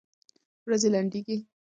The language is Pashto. ورځي لنډيږي